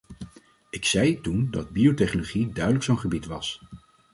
Ik zei toen dat biotechnologie duidelijk zo’n gebied was.